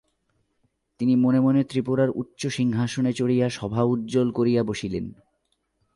তিনি মনে মনে ত্রিপুরার উচ্চ সিংহাসনে চড়িয়া সভা উজ্জ্বল করিয়া বসিলেন।